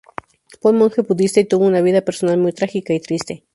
Fue un monje budista y tuvo una vida personal muy trágica y triste.